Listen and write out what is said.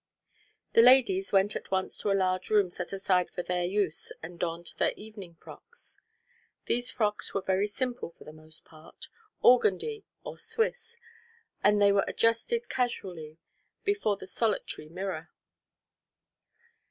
The ladies went at once to a large room set aside for their use and donned their evening frocks. These frocks were very simple for the most part, organdie or swiss, and they were adjusted casually before the solitary mirror.